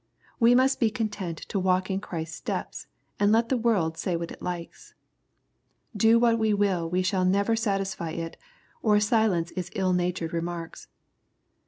We must be content to walk in Christ's steps, and let the world say what it likes. Do what we will we shall never satisfy it, or silence its ill natured remarks.